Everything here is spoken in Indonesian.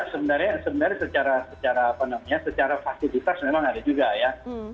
sebenarnya sebenarnya secara fasilitas memang ada juga ya